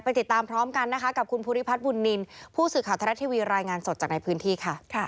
ติดตามพร้อมกันนะคะกับคุณภูริพัฒน์บุญนินผู้สื่อข่าวทรัฐทีวีรายงานสดจากในพื้นที่ค่ะ